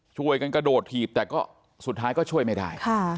ช่วยกันกระโดดถีบแต่ก็สุดท้ายก็ช่วยไม่ได้